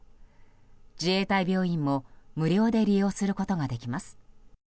自衛隊病院も無料で利用することができます。